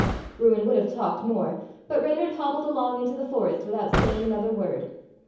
Bruin would have talked more, but Rey nard hobbled along into the forest without saying another word.